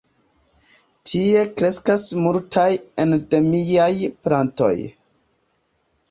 Tie kreskas multaj endemiaj plantoj.